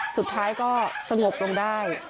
สุดท้ายก็สงบลงได้